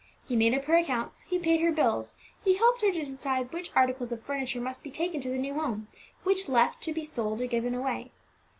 He made up her accounts, he paid her bills, he helped her to decide which articles of furniture must be taken to the new home, which left to be sold or given away.